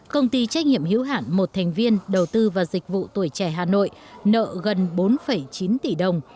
công ty trách nhiệm hữu hạn một thành viên đầu tư và dịch vụ tuổi trẻ hà nội nợ gần bốn chín tỷ đồng